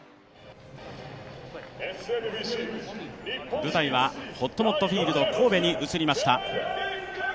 舞台はほっともっとフィールド神戸に移りました。